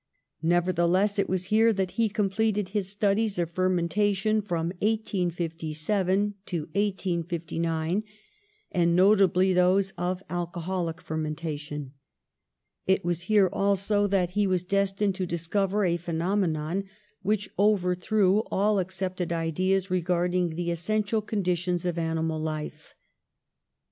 Nevertheless, it was here that he completed his 54 PASTEUR studies of fermentations, from 1857 to 1859, and notably those of alcoholic fermentation. It was here also that he was destined to dis cover a phenomenon which overthrew all ac cepted ideas regarding the essential conditions of animal life.